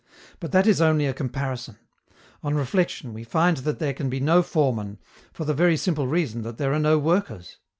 But that is only a comparison; on reflection, we find that there can be no foreman, for the very simple reason that there are no workers.